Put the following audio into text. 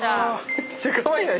めっちゃかわいくない？